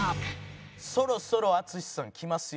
そろそろ淳さんきますよ。